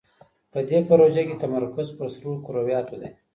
په دې پروژه کې تمرکز پر سرو کرویاتو دی.